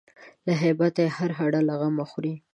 له هیبته یې هر هډ له غمه خوري